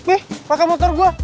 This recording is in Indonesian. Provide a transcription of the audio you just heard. eh pakai motor gue